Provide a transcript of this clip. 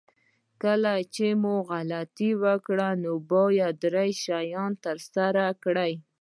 کله چې مو غلطي وکړه نو باید درې شیان ترسره کړئ.